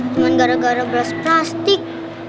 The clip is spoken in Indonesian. cuma gara gara beras plastik